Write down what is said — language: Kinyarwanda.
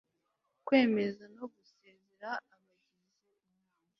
Kwemeza no gusezerera abagize Inama